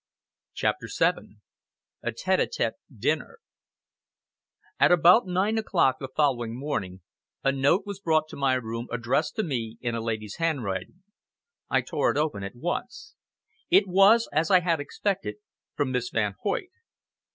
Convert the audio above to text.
CHAPTER VII A TÊTE À TÊTE DINNER At about nine o'clock the following morning a note was brought to my room addressed to me in a lady's handwriting. I tore it open at once. It was, as I bad expected, from Miss Van Hoyt.